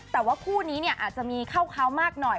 แต่ว่าคู่นี้เนี่ยอาจจะมีเข้าเขามากหน่อย